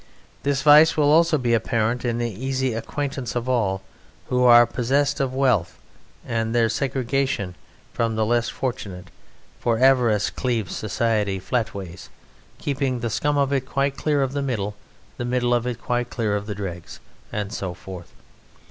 This vice will also be apparent in the easy acquaintance of all who are possessed of wealth and their segregation from the less fortunate, for avarice cleaves society flatways, keeping the scum of it quite clear of the middle, the middle of it quite clear of the dregs, and so forth.